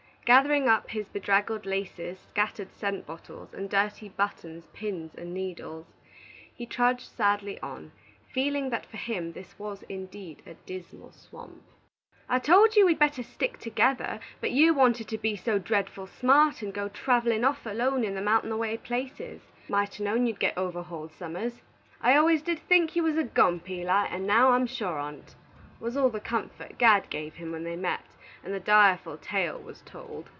Gathering up his bedraggled laces, scattered scent bottles, and dirty buttons, pins, and needles, he trudged sadly on, feeling that for him this was indeed a Dismal Swamp. "I told you we'd better stick together, but you wanted to be so dre'dful smart, and go travellin' off alone in them out'n the way places. Might 'a' known you'd get overhauled somers. I always did think you was a gump, Eli, and now I'm sure on't," was all the comfort Gad gave him when they met, and the direful tale was told.